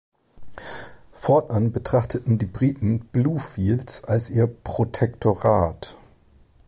Fortan betrachteten die Briten Bluefields als ihr „Protektorat“.